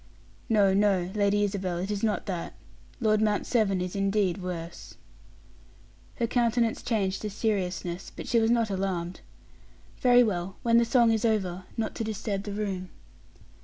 "No, no, Lady Isabel, it is not that. Lord Mount Severn is indeed worse." Her countenance changed to seriousness; but she was not alarmed. "Very well. When the song is over not to disturb the room."